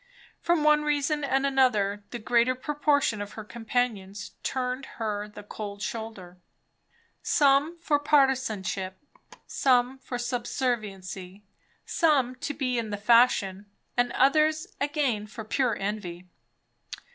From one reason and another, the greater proportion of her companions turned her the cold shoulder. Some for partisanship, some for subserviency, some to be in the fashion, and others again for pure envy.